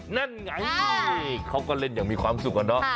นั่นไงเขาก็เล่นอย่างมีความสุขอะเนาะ